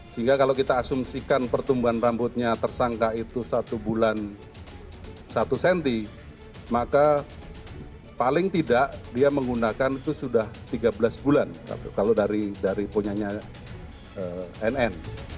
sehingga kalau kita asumsikan pertumbuhan rambutnya tersangka itu satu bulan satu cm maka paling tidak dia menggunakan itu sudah tiga belas bulan kalau dari punyanya nn